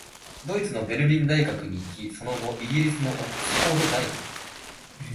ドイツのベルリン大学に行き、その後、イギリスのオックスフォード大学、